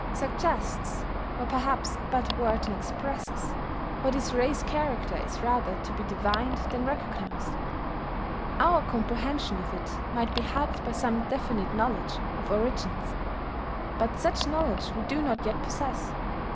"Suggests" were perhaps a better word than "expresses," for this race character is rather to be divined than recognized. Our comprehension of it might be helped by some definite knowledge of origins; but such knowledge we do not yet possess.